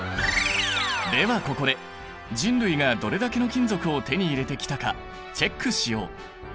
ではここで人類がどれだけの金属を手に入れてきたかチェックしよう！